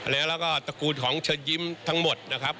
แล้วก็ตระกูลของเชิญยิ้มทั้งหมดนะครับ